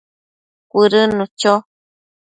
Cuëdënnu cho